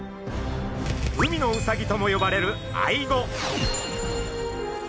海のウサギとも呼ばれるアイゴ。